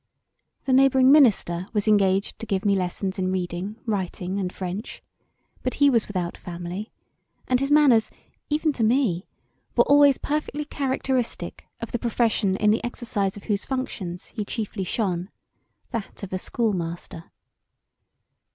The neighbouring minister was engaged to give me lessons in reading, writing and french, but he was without family and his manners even to me were always perfectly characteristic of the profession in the exercise of whose functions he chiefly shone, that of a schoolmaster.